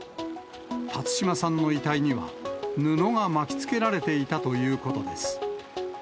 辰島さんの遺体には、布が巻きつけられていたということです。